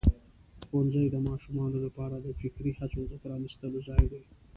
ښوونځی د ماشومانو لپاره د فکري هڅو د پرانستلو ځای دی.